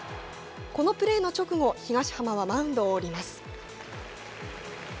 このプレーの直後、東浜はマウンドを降ります。